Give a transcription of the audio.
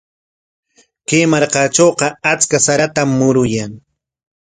Kay markatrawqa achka saratam muruyan.